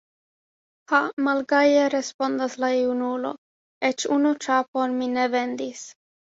Ha, malgaje respondas la junulo, eĉ unu ĉapon mi ne vendis!